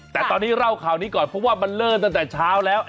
แต่ตอนนี้เล่าข่าวนี้ก่อนเพราะว่ามันเริ่มตั้งแต่เช้าแล้ว